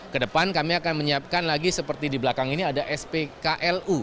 kedepan kami akan menyiapkan lagi seperti di belakang ini ada spklu